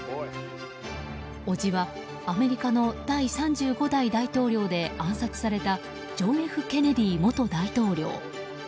おじはアメリカの第３５代大統領で暗殺されたジョン・Ｆ・ケネディ元大統領。